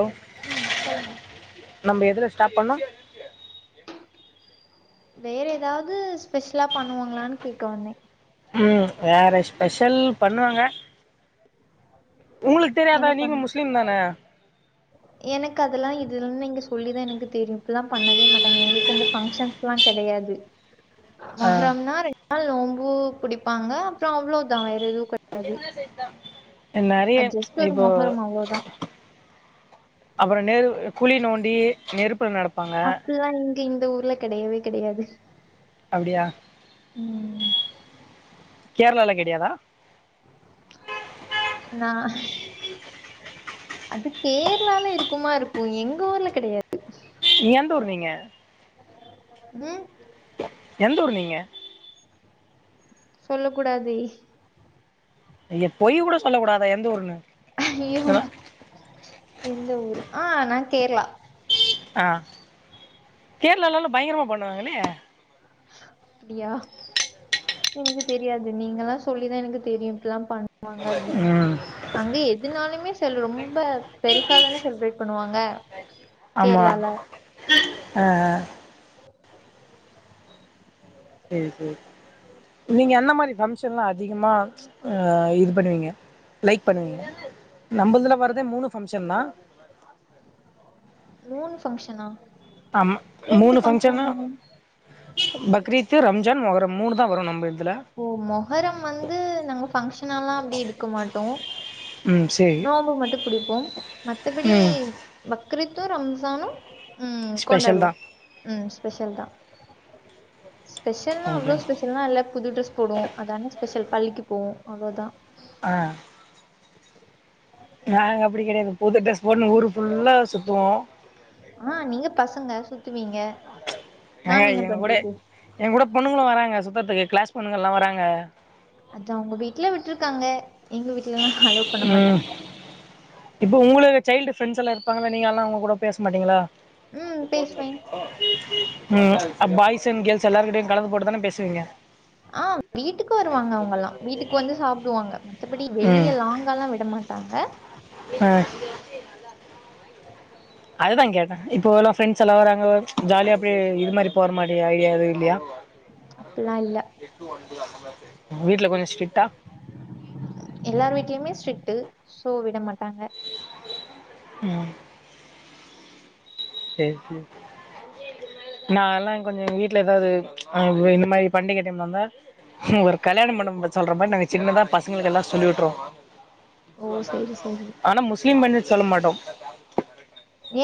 Allow ம் சொல்லுங்க நம்ம எதுல ஸ்டாப் பண்ணோ வேற ஏதாவது ஸ்பெஷலா பண்ணுவாங்களான்னு கேட்க வந்தே ம் வேற ஸ்பெஷல் பண்ணுவாங்க உங்களுக்கு தெரியாதா என்ன நீங்க பண்ணு முஸ்லீம் தான எனக்கு அதெல்லா இத நீங்க சொல்லிதா எனக்கு தெரியு இப்பல்லா பண்ணவே மாட்டாங்க எங்களுக்கு இந்த பங்க்ஷன் லா கெடையாது ஆ அப்ரம்னா ரெண்டு நாள் நோம்பு புடிப்பாங்க அப்புற அவ்ளோதா வேற எதுவு கெ நெறைய அது ஜஸ்ட் ஒரு இப்போ மொஹரம் அவ்ளோதான். அப்புற நெரு குழி நோண்டி நெருப்புல நடப் அப்பல்லா இங்க இந்த ஊர்ல கெடையவே கெடையாது அப்டியா ம் கேரளால கெடையாதா நா அது கேர்ளால இருக்குமா இருக்கு எங்க ஊர்ல கெடையாது நீ எந்த ஊர் நீீங்க ம் எந்த ஊர் நீங்க சொல்ல கூடாது ஐய பொய் கூட சொல்ல கூடாதா எந்த ஊர்ன்னு ஐயோ எந்த ஊரு ஆ நா கேர்ளா ஆ கேரளாலாலா பயங்கரமா பண்ணுவாங்கலே அப்டியா எனக்கு தெரியாது நீங்கலா சொல்லிதா எனக்கு தெரியு இப்டிலா பன் வாங்க அப்டின் ம் அங்க எதுனாலுமே செல் ரொம்ப பெருசாதான செலிப்ரேட் பண்ணுவாங்க ஆமா கேரளால அ அ செரி செரி நீங்க எந்த மாரி ஃபங்க்ஷன்லா அதிகமா அ இது பண்ணுவீங்க லைக் பண்ணுவீங்க நம்மள்துல வரதே மூனு ஃபங்க்ஷன்தா மூனு ஃபங்க்ஷனா ஆமா ரெண்டு மூணு ஃபங்க்ஷன் ஃபங்க்ஷன்தா தானே பக்ரீத் ரம்ஜான் மொஹரம் மூனுதா வரு நம்ப இதுல ஓ மொஹரம் வந்து நாங்க ஃபங்ஷனல்லா அப்டி எடுக்க மாட்டோ ம் சேரி நோம்பு மட்டு புடிப்போம் மத்தபிடி ம் பக்ரீத்து ரம்சானு ம் ஸ்பெஷல் கொண்டாடுவோ தா ம் ஸ்பெஷல்தா ஸ்பெஷல்னா ஓகே அவ்ளோ ஸ்பெஷல்லா இல்ல புது ட்ரெஸ் போடுவோ அதான ஸ்பெஷல் பள்ளிக்கு போவோ அவ்ளோதா அ நாங்க அப்டி கெடையாது புது ட்ரெஸ் போட்னு ஊர் ஃபுல்லா சுத்துவோ ஆ நீங்க பசங்க சுத்துவீங்க ஏங்க நாங்க என்ன எங்க கூட பண்றது எங்க கூட பொண்ணுங்களு வராங்க சுத்தர்துக்கு க்ளாஸ் பொண்ணுங்கல்லா வராங்க அது அவங்க வீட்ல விட்ருக்காங்க எங்க வீட்லல்லா அலோ பண்ண ம் மாட்டாங்க இப்போ உங்களுக்கு ச்சைல்டு ஃப்ரண்ட்ஸ் எல்லா இருப்பாங்க நீங்கல்லா அவங்க கூட பேச மாட்டீங்களா ம் பேசுவே [inaudible] ம் அ பாய்ஸ் அண்ட் கேர்ள்ஸ் எல்லாருகிட்டயு கலந்து போட்டுதான பேசுவீங்க ஆ வீட்டுக்கு வருவாங்க அவங்கல்லா வீட்டுக்கு வந்து சாப்டுவாங்க மத்தபடி வெளிய லாங் அங்கேலா விட மாட்டாங்க அ அதுதா கேட்ட இப்போ எல்லா ஃப்ரெண்ட்ஸ் எல்லா வராங்க ஜாலிய அப்டி இது மாரி போர மாரி ஐடியா எதுவு இல்லையா அப்பில்லா இல்ல உங்க வீட்ல கொஞ்சோ ஸ்ட்ரிக்ட் ஆ எல்லாரு வீட்லயுமே ஸ்ட்ரிக்ட் சோ விட மாட்டாங்க உம் செரி செரி நால்லா கொஞ்சோ வீட்ல ஏதாவது இந்த மாரி பண்டிக டைம்ல இருந்தா ஒரு கல்யாண மண்டபம் சொல்ற மாரி நாங்க சின்னதா பசங்களுக்கு எல்லா சொல்லி விட்றுவோ ஓ சேரி சேரி ஆனா முஸ்லிம் பன்டிகைக்கு சொல்ல மாட்டோ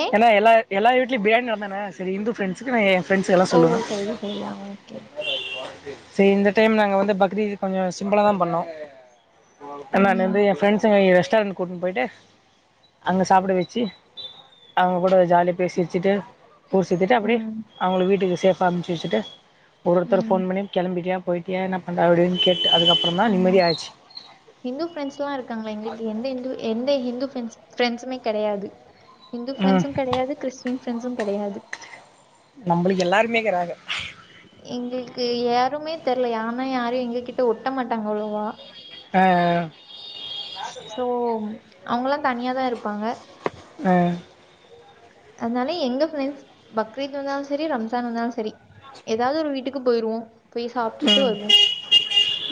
ஏ ஏனா எல்லா எல்ல வீட்லையு பிரியாணி நா தான செரி இந்து ஃப்ரண்ட் எ ஃப்ரெண்ட்ஸ்க்கு எல்லா ஓ சொல்லுவ சேரி சேரி ஆ ஓகே செரி இந்த டைம் நாங்க வந்து பக்ரீத் கொஞ்சோ சிம்புளா தா பண்ணோ நா ம் வந்து எ ஃப்ரெண்ட்சுங்க ரெஸ்டாரண்ட் கூட்டுன் போய்ட்டு அங்க சாப்ட வச்சி அவுங்க கூட ஜாலியா பேசி வெச்சிட்டு ஊர் சுத்திட்டு அப்டியே ம் அவுங்கள வீட்டுக்கு சேஃபா அமச்சி வெச்சிட்டு ஒரு ஒருத்தர் ம் ஃபோன் பண்ணி கிளம்பிட்டியா போயிட்டியா என்ன பண்ணற அப்டின்னு கேட்டு அதுக்கப்றோ தா ம் நிம்மதி ஆச்சி ஹிந்து ஃபிரெண்ட்ஸ்லா இருக்காங்கல்ல எங்களுக்கு எந்த இந்து எந்த ஹிந்து ஃபிரெண்ட்ஸ் ஃப்ரெண்ட்ஸுமே கெடையாது ஹிந்து ம் ஃப்ரெண்டஸுமே கெடையாது கிறிஸ்டின் ஃப்ரெண்ட்ஸு கெடையாது நம்மளுக்கு எல்லாருமேகிறாக எங்களுக்கு யாருமே தெர்ல ஏனா யாரு எங்ககிட்ட ஒட்ட மாட்டாங்க அவ்ளோவா அ அ சோ அவங்கல்லா தனியாதா இருப்பாங்க அ அதனால எங்க ஃபிரெண்ட்ஸ் பக்ரீத் வந்தாலு சரி ரம்சான் வந்தாலு சரி ஏதாவது ஒரு வீட்டுக்கு போயிருவோ போய் சாப்ட்டுட்டு ம் வருவோ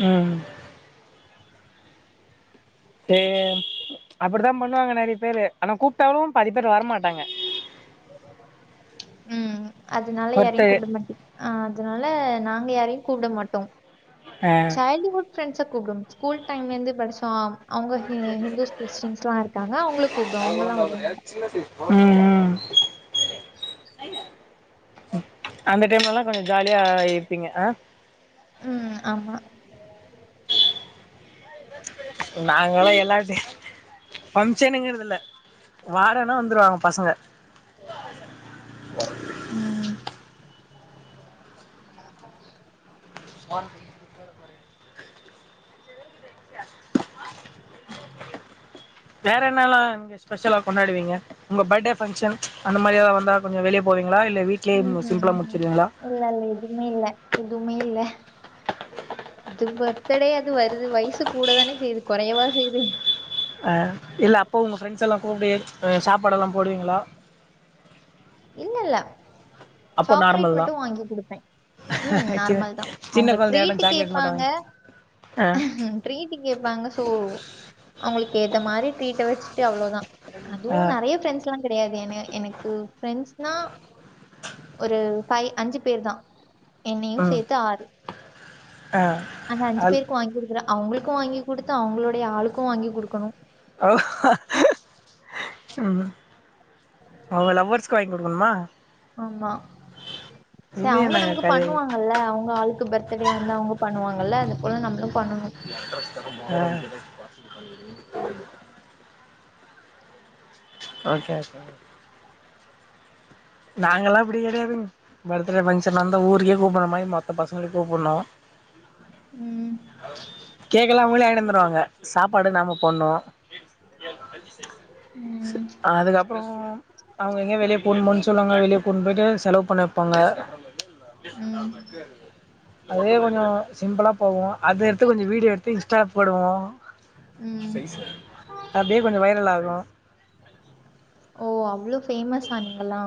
ம் சே அப்டித்தா பண்ணுவாங்க நெறைய பேரு ஆனா கூப்ட்டாலு பாதி பேர் வரமாட்டாங்க ம் அதனால யாரையு ஒருத்தர் கூப்ட மாட்டிங் அ அதனால நாங்க யாரையு கூப்ட மாட்டோ ஆ ச்சைல்டுஹுட் ஃப்ரெண்ட்ஸ கூப்டுவோ ஸ்கூல் டைம்ல இருந்தே படிச்சோ அவுங்க ஹிந்துஸ் கிறிஸ்டின்ஸ்ல்லா இருக்காங்க அவுங்கள கூப்டுவோ அவுங்கல்லா வருவாங்க ம் ம் அந்த டைம்ல எல்லா கொஞ்சோ ஜாலியா இருப்பீங்க அ ம் ஆமா நாங்கல்லா எல்லா சே ஃபம்ஷனுங்குறது இல்ல வாரோ ஆனா வந்துருவாங்க பசங்க ம் ஒன் வேற என்னால அங்க ஸ்பெஷலா கொண்டாடுவீங்க உங்க பர்த்டே ஃபங்க்ஷன் அந்த மாதிரி எதா வந்தா கொஞ்சோ வெளிய போவீங்களா இல்ல வீ ட்லே ம் ம் சிம்ப்ளா ம் முடிச்சிருவீங்ளா இல்ல இல்ல எதுமே இல்ல எதுமே இல்ல அது பர்த்தடே அது வருது வயசு கூட தானே செய்யுது கொறையவா செய்யுது ஆ இல்ல அப்போ உங்க ஃப்ரெண்ட்ஸ் எல்லா கூப்ட்டு சாப்பாடெல்லா போடுவீங்களா இல்ல இல்ல அப்போ சாக்லேட் நார்மல் தா மட்டு வாங்கி குடுப்பே உம் நார்மல் தா சின்ன அவுங்க கொழந்தையாட்டோ ட்ரீட் சாக்லேட் மட்டு கேப்பாங்க வாங்கி ஆ ட்ரீட் கேப்பாங்க சோ அவுங்களுக்கு ஏத்த மாரி ட்ரீட்ட வச்சுட்டு அவ்ளோதா அதுவு ஆ நெறைய ஃப்ரெண்ட்ஸ் ல்லா கெடையாது என எனக்கு ஃப்ரெண்ட்ஸ்னா ஒரு ஃபைவ் அஞ்சு பேர் தா என்னையு ம் சேத்து ஆறு ஆ ஆனா அஞ்சு அது க்கு வாங்கி குடுக்குறே அவுங்களுக்கு வாங்கி குடுத்து அவுங்களுடைய ஆளுக்கு வாங்கி குடுக்கணு உம் அவுங்க லவ்வர்ஸ்க்கு வாங்கி குடுக்கணுமா ஆமா சோ இது அவுங்க என்னங்க நமக்கு கதை பண்ணுவாங் கல்ல அவுங்க ஆளுக்கு பர்த்டே வந்தா அவுங்க பண்ணுவாங்கல்ல அதுப்போல நம்மளு பண்ணனூ அ [inaudible] ஓகே நாங்கல்லா அப்டி கெடையாதுங் பர்த்டே ஃபங்க்ஷன் வந்தா ஊருக்கே கூப்பற மாரி மொத்த பசங்களயு கூப்புன்னோ [inaudible] உம் கேக்கெல்லா அவுங்களே வாங்கிட்னு வந்துருவாங்க சாப்பாடு நாம்ம போடணூ ம் அதுக்கப்றமூ அவுங்க எங்கயா வெளிய போணுமோன்னு சொல் சொல்லுங்க வெளிய கூட்டு போயிட்டு செலவு பண்ண வப்பாங்க ம் அதே கொஞ்சோ சிம்புளா போவோ அத எடுத்து கொஞ்சோ வீடியோ எடுத்து இன்ஸ்டா போடுவோ ம் சை சார் அப்டியே கொஞ்சோ வைரல் ஆயிரும் ஓ அவ்ளோ பேஃமஸா நீங்கல்லா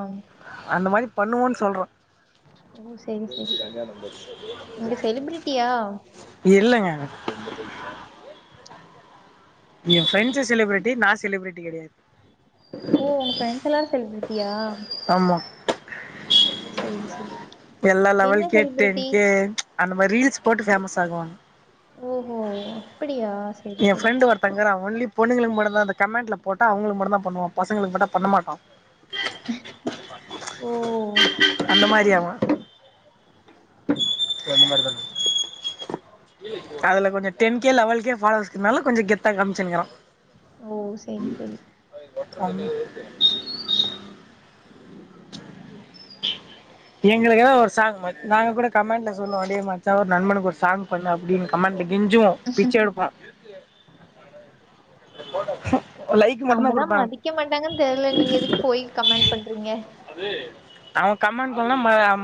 அந்த மாரி பண்ணுவோன் சொல்றே ஓ சேரி சேரி நீங்க செலிபிரிட்டியா இல்ல எ ஃப்ரெண்ட்ஸு செலிபிரிட்டி நா செலிபிரிட்டி கெடையாது ஓ உங்க ஃப்ரெண்ட்ஸ் எல்லா செலிபிரிட்டியா ஆமா சேரி சேரி எல்லா லெவல்கே டென் கே அந்த மாரி ரீல்ஸ் போட்டு ஃபேமஸ் ஆகுவாங்க ஓஹோ அப்டியா எ ஃப்ரெண்டு ஒர்த் தங்கரா ஒன்லி பொண்ணுங்களுக்கு மட்டு தங்க ஒன்லி பொண்ணுங்களுக்கு மட்டும் தா அந்த கமெண்ட்ல போட்ட அவங்களுக்கு மட்டு தா பண்ணுவா பசங்களுக்கு மட்டு பண்ண மாட்டோ ஓ அந்த மாரி அவோ ந்த [unintelligible] அதுல கொஞ்சோ டென்கே லெவல் கே பாலோவர்ஸ்னால கொஞ்சோ கெத்தா காமிச்சுருக்கிறா ஓ சேரி சேரி கம் [unintelligible] [inaudible] எங்களுக்காக ஒரு சாங் நாங்க கூட கமெண்ட்ல சொல்லுவோ டே மச்சா ஒரு நண்பனுக்கு ஒரு சாங் பண்றா அப்டின்னு கமெண்ட்ல கெஞ்சுவோ பிச்ச எடுப்போ லைக் மட்டுதா குடுப்பாங்க வக்க மாட்டாங்கன் தெரில நீங்க எதுக்கு போய் கமெண்ட் பண்றீங்க அவ கமண்ட் பண்ண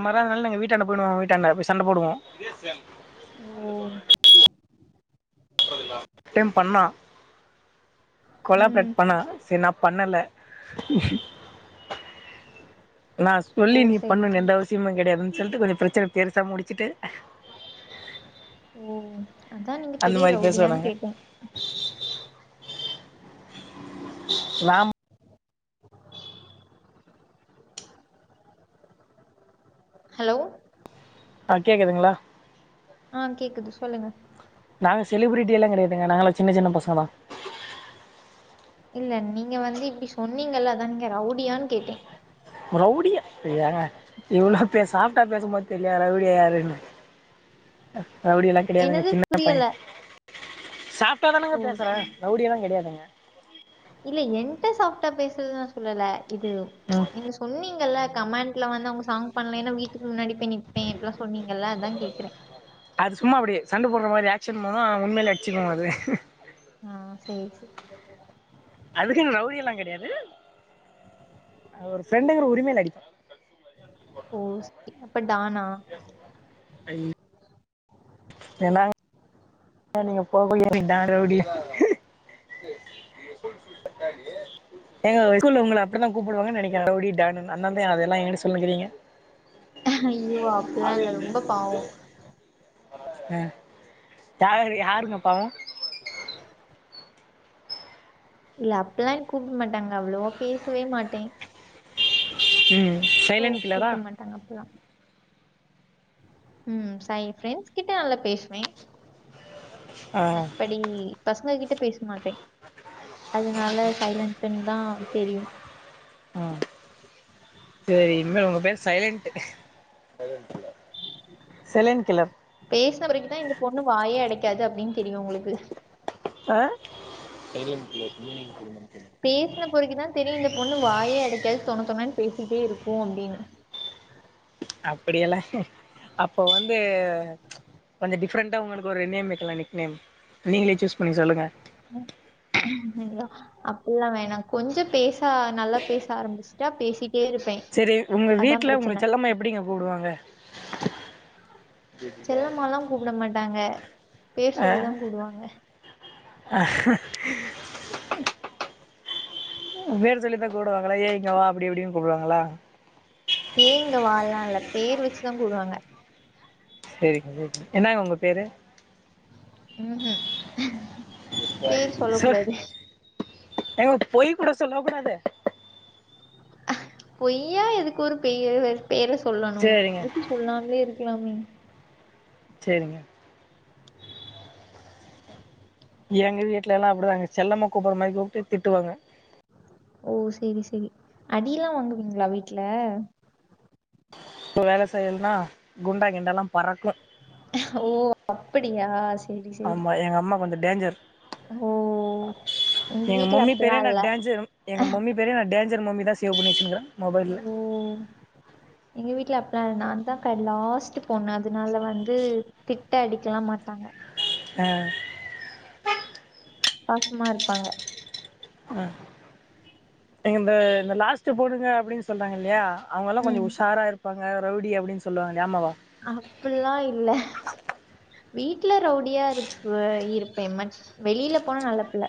மறா நாள் நாங்க வீட்டாண்ட போயிடுவோ வீட்டாண்ட போய் சண்ட போடுவோ இதுஷாம் ஓ டைம் பண்ணா கொலாப்ரேட் ம் பண்ணா சேரி நா பண்ணல நா ஓ சொல்லி நீ சரி பண்ணுன்னு சரி எந்த அவ சியமு கெடையாதுன்னு சொல்லிட்டு கொஞ்ச பிரச்சன பெருசா முடிச்சுட்டு ஓ அதா நீங்க அந்த பெரிய மாரி பேசுவோ ரவுடியான்னு நாங்க கேட்டே நாம் ஹலோ ஆ கேக்குதுங்களா ஆ கேக்குது சொல்லுங்க நாங்க செலிபிரிட்டி எல்லா கெடையாதுங்க நாங்கல்லா சின்ன சின்ன பசங்க தா இல்ல நீங்க வந்து இப்டி சொன்னீங்கல்ல அதா நீங்க ரவுடியான்னு கேட்டே ரவுடியா ஏங்க இவ்ளோ பேர் சாப்ட்டா பேசும்போது தெரியா ரவுடி யாருன்னு ரவுடி எல்லா கெடையாதுங்க என்னது சின்ன பைய புரியல சாப் ட்டா தானேங்க ஓ பேசுறே சரி. ரவுடி எல்லா கெடையாதுங்க இல்ல என்ட்ட சாப்ட்டா பேசுறது நா சொல்லல இது ம் என்ன சொல் சொன்னீங்கல்ல கமெண்ட்ல வந்து அவங்க சாங் பண்ணல வீட்டுக்கு முன்னாடி போய் நிப்பே இப்பில்லா சொன்னீங்கல்ல அதா கேக்குறே அது சும்மா அப்டி சண்ட போட்ற மாரி ஆக்சன் பண்ணுவோ உண்மையிலே அடிச்சுக்கு அது ஆ சேரி சேரி அதுக்குன்னு ரவுடி எல்லா கெடையாது ஒரு ஃப்ரெண்டுங்கிற உரிமைல அடிப்பா ஓ செரி அப்ப டான்னா ஐய்யோ என்னாங் க நீங்க போங்க டானு ரவுடி ஏங்க ஸ்கூல்ல உங்கள அப்டி தா கூப்பிடுவாங்கன்னு நெனைக்கிறே ரவுடி டான்னு அதனால தா அதெல்லா ஏன்ட சொல்லின்னு இருக்கிறீங்க ஐய்யோ அப்பில்லா இல்ல ரொம்ப பாவோ ஆ யார் யாருங்க பாவோ இல்ல அப்பில்லாம் கூப்பிட மாட்டாங்க அவ்ளோவா பேசவே மாட்டே ம் சோ சைலண்ட் கில்லரா கூப்ட மாட்டாங்க அப்பில்லா ம் சை ஃபிரெண்ட்ஸ் கிட்ட நல்லா பேசுவே ஆ மத்தபடி பசங்க கிட்ட பேச மாட்டே அதனால சைலன்ட் ட்டுனுதா தெரியு ம் சேரி இனிமே உங்க பேரு சைலன்ட்டு செலன் கில்லர் பேசுன பிறகு தா இந்த பொண்ணு வாயே அடிக்காது அப்டின்னு தெரியு உங்களுக்கு ஆ பேசுன பிறகு தா தெரியு இந்த பொண்ணு வாயே அடிக்காது தொண தொணன்னு பேசிட்டே இருக்கு அப்டின்னு அப்பிடியெல்லா அப்போ வந்து கொஞ்சோ டிஃபரன்ட்டா உங்களுக்கு ஒரு நேம் வைக்கலா நிக் நேம் நீங்களே சூஸ் பண்ணி சொல்லுங்க ம் ஐயோ அப்பில்லா வேணா கொஞ்ச பேச நல்லா பேச ஆரம்பிச்சுட்டா பேசிட்டே இருப்பே செரி உங்க வீட்ல உங்ள செல்லமா எப்டிங்க கூப்டுவாங்க செல்லமாலா கூப்ட மாட்டாங்க பேர் சொல்லிதா கூப்டுவாங்க ஆ உ பேர் சொல்லிதா கூப்புடுவாங்களா ஏய் இங்க வா அப்டி இப்டின்னு கூப்புடுவாங்களா ஏய் இங்க வா லா இல்ல பேர் வச்சுதா கூப்புடுவாங்க செரிங்க செரிங்க என்னங்க உங்க பேரு ம் ஹு சொ ஏங்க பொய் கூட சொல்ல கூடாது பொய்யா எதுக்கு ஒரு பெயர் பேர சொல்லணு சேரிங்க அதுக்கு சொல்லாமே இருக்லாமே செரிங்க எங்க வீட்ல எல்லா அப்டிதாங்க செல்லம்மா கூப்புற மாரி கூப்ட்டு திட்டுவாங்க ஓ செரி செரி அடிலா வாங்குவீங்ளா வீட்ல சோ வேல செய்யல்னா குண்டா கிண்டாலா பறக்கு ஓ அப்படியா சேரி சேரி ஆமா எங்க அம்மா கொஞ்ச டேஞ்சர் ஓ எங்க வீட்ல மம்மி அப்பல்லா பேரே நா இல்ல டேஞ்சர் எங்க மம்மி பேரே நா டேஞ்சர் மம்மி தா சேவ் பண்ணி வச்சுன்னுக்கிற ஓ எங்க வீட்ல அப்லா இல்ல நா தா க லாஸ்ட்டு பொண்ணு அதனால வந்து திட்ட அடிக்கலா மாட்டாங்க ஆ பாசமா இருப்பாங்க ஆ இந்த இந்த லாஸ்ட்டு பொண்ணுங்க அப்டின் சொல்றாங்க இல்லையா அவுங்கல்லா கொஞ்ச ம் உஷாரா இருப்பாங்க ரவுடி அப்டின் சொல்லுவாங்ளே ஆமாவா அப்பில்லா இல்ல வீட்ல ரவுடியா இருக்க இருப்பே மட் வெளில போனா நல்ல புள்ள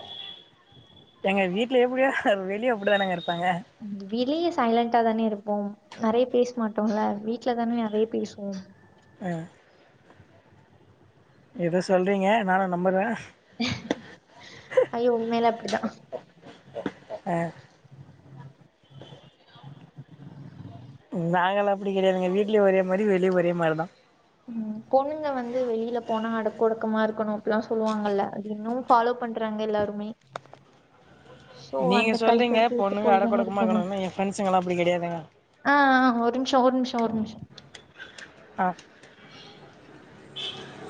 ஏங்க வீட்ல எப்டியோ வெளிய அப்டிதானங்க இருப்பாங்க ம் வெளிய சைலண்டா தானே இருப்போ நெறைய பேச மாட்டோல வீட்ல தானே நெறைய பேசுவோ ஆ எதோ சொல்றீங்க நானு நம்புறே ஐய்யோ உண்மையில அப்டிதா அ நாங்கலா அப்டி கெடையாதுங்க வீட்லியு ஒரே மாரி வெளிய ஒரே மார்தா ம் பொண்ணுங்க வந்து வெளியில போனா அடக்கு ஒடக்கமா இருக்கணு அப்பல்லா சொல்லுவாங்கல்ல அது இன்னு ஃபாலோ பண்றாங்க எல்லாருமே [inaudible] சோ நீங்க அந்த சொல்றீங்க கல்ச்சருக்கு ஏத்த பொண்ணுங்க போல அடக்க தானே ஒடக்கமா இருக்கணு இக்குணுனு ஏ ஃப்ரெண்ட்ஸ்கெல்லா அப்டி கெடையாதுங்க ஆ ஆ ஒரு நிம்ஷோ ஒரு நிம்ஷோ ஒரு நிம்ஷோ ஆ [inaudible]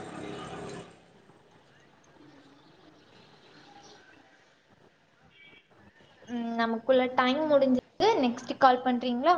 ம் நமக்குள்ள டைம் முடிஞ்சிது நெக்ஸ்ட்டு கால் பண்றீங்ளா